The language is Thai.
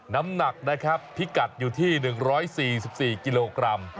น้ำหนักนะครับพิกัดอยู่ที่๑๔๔กิโลกรัม